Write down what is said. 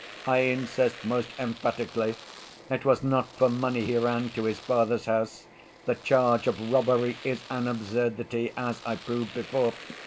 I insist most emphatically it was not for money he ran to his father's house: the charge of robbery is an absurdity, as I proved before.